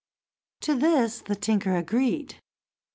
To this the tinker agreed.